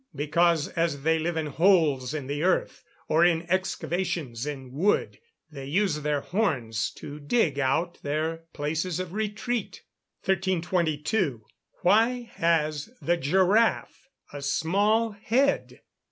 _ Because, as they live in holes in the earth, or in excavations in wood, they use their horns to dig out their places of retreat. 1322. _Why has the giraffe a small head?